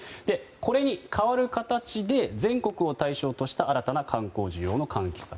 これに代わる形で全国を対象とした新たな観光需要の喚起策